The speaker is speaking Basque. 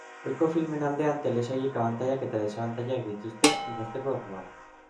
Ohiko filmen aldean, telesailek abantailak eta desabantailak dituzte, idazteko orduan.